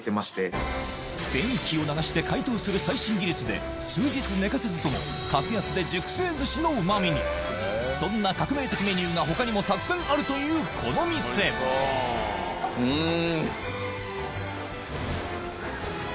電気を流して解凍する最新技術で数日寝かせずとも格安で熟成寿司のうま味にそんな革命的メニューが他にもたくさんあるというこの店うん！